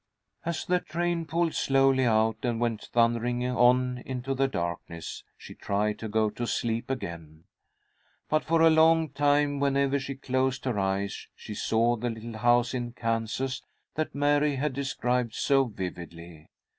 As the train pulled slowly out and went thundering on into the darkness, she tried to go to sleep again, but for a long time, whenever she closed her eyes, she saw the little house in Kansas that Mary had described so vividly.